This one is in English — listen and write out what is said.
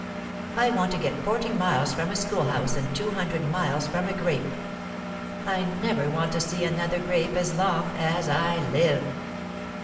I want to get forty miles from a schoolhouse and two hundred miles from a grape. I never want to see another grape as long as I live."